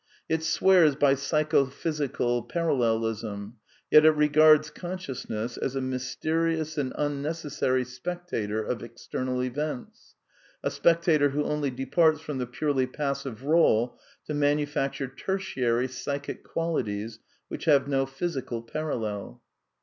It swears by Psycho phys ical Parallelism; yet it regards consciousness as a mys terious and unnecessary spectator of external events, a spectator who only departs from the purely passive role to y^ manufacture " tertiary " psychic qualities which have no Y physical parallel.